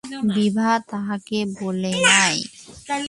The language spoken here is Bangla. বিভা তাঁহাকে বলে নাই।